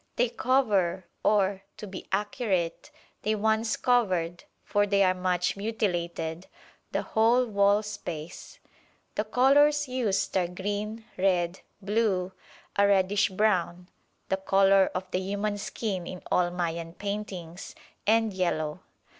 They cover, or, to be accurate, they once covered (for they are much mutilated), the whole wall space. The colours used are green, red, blue, a reddish brown (the colour of the human skin in all Mayan paintings), and yellow.